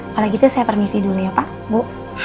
kalau gitu saya permisi dulu ya pak bu